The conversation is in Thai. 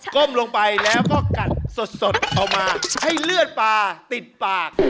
ก้มลงไปแล้วก็กัดสดเอามาใช้เลือดปลาติดปาก